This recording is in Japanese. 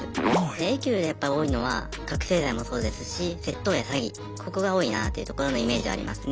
Ａ級でやっぱ多いのは覚醒剤もそうですし窃盗や詐欺ここが多いなというところのイメージはありますね。